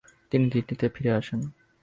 তিনি দিল্লিতে ফিরে আসেন।